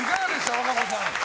和歌子さん。